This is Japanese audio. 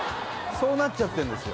そうなっちゃってんですよ